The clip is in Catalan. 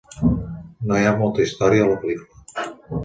No hi ha molta història a la pel·lícula...